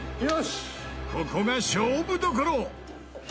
ここが勝負どころ！